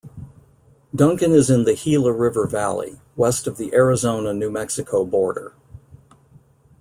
Duncan is in the Gila River valley, west of the Arizona-New Mexico border.